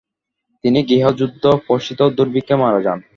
তিনি গৃহযুদ্ধ প্রসূত দুর্ভিক্ষে মারা যান।